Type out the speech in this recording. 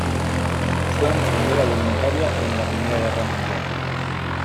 Fue enfermera voluntaria en la I Guerra Mundial.